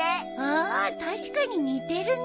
あ確かに似てるね。